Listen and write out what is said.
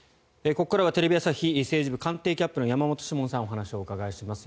ここからはテレビ朝日政治官邸キャップの山本志門さんにお話をお伺いします。